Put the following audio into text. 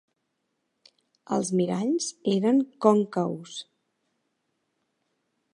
Els miralls eren còncaus.